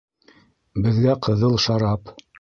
Беҙгә ҡыҙыл шарап